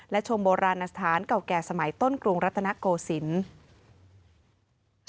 และชมโบราณสถานเก่าแก่สมัยต้นกรุงรัตนโกศิลป์